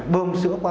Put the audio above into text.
bơm sữa qua